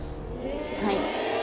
はい